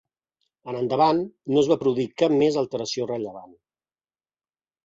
En endavant no es va produir cap més alteració rellevant.